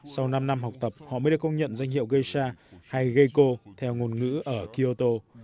sau năm năm học tập họ mới được công nhận danh hiệu gesa hay geco theo ngôn ngữ ở kyoto